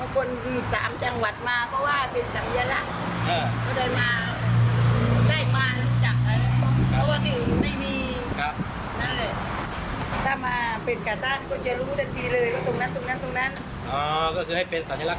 คนที่๓จังหวัดมาก็ว่าเป็นสัญลักษณ์